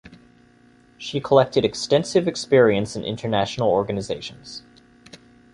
She collected extensive experience in international organizations.